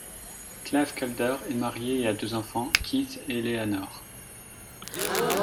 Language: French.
Clive Calder est marié et a deux enfants, Keith et Eleanor.